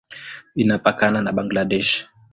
Inapakana na Bangladesh.